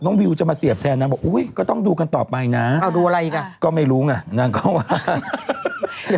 น้องวิวจะมาเสียบแทนน้ำบอกอุ๊ยก็ต้องดูกันต่อไปนะก็ไม่รู้ไงน้างก็ว่า